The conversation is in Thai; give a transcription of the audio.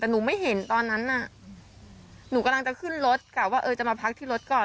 แต่หนูไม่เห็นตอนนั้นน่ะหนูกำลังจะขึ้นรถกลับว่าเออจะมาพักที่รถก่อน